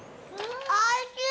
おいしい！